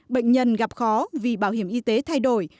bệnh nhân gặp khó vì bảo hiểm y tế thay đổi